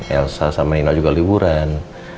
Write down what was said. elsa sama nina juga liburan